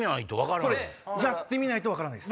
やってみないと分からない。